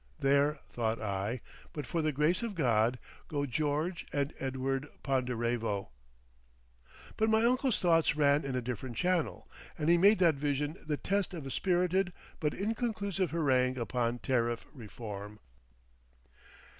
"There," thought I, "but for the grace of God, go George and Edward Ponderevo." But my uncle's thoughts ran in a different channel, and he made that vision the test of a spirited but inconclusive harangue upon Tariff Reform.